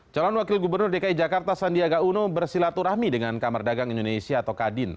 calon wakil gubernur dki jakarta sandiaga uno bersilaturahmi dengan kamar dagang indonesia atau kadin